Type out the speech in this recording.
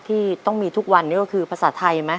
ที่ต้องมีทุกวันนี้ก็คือภาษาไทยไหม